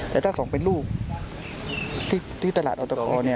แต่ถ้าสองเป็นลูกที่ตลาดออตก